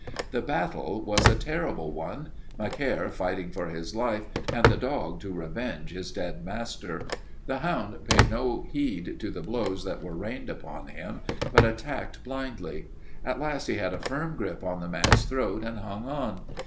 "The battle was a terrible one, Macaire fighting for his life and the dog to revenge his dead master. The hound paid no heed to the blows that were rained upon him, but attacked blindly. At last he got a firm grip on the man's throat and hung on.